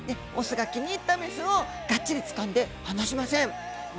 オスが気に入ったメスをがっちりつかんで離しません。